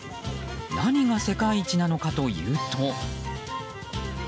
何が世界一なのかというと。